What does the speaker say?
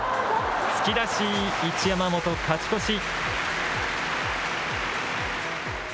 突き出し、一山本勝ち越し。